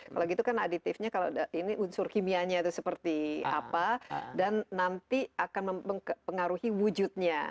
kalau gitu kan aditifnya kalau ini unsur kimianya itu seperti apa dan nanti akan mempengaruhi wujudnya